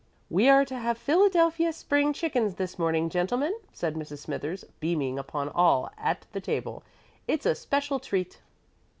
"We are to have Philadelphia spring chickens this morning, gentlemen," said Mrs. Smithers, beaming upon all at the table. "It's a special treat."